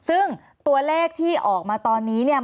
ซึ่งตัวเลขที่ออกมาตอนนี้เนี่ย